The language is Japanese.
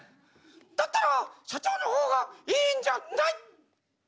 だったら社長の方がいいんじゃない？」。